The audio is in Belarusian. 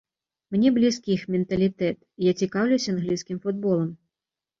Мне блізкі іх менталітэт, я цікаўлюся англійскім футболам.